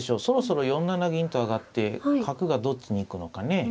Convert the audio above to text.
そろそろ４七銀と上がって角がどっちに行くのかね。